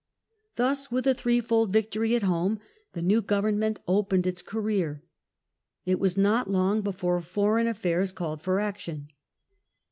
Thus, with a threefold victory at home the new govern ment opened its career. It was not long before foreign War with the affairs Called for action.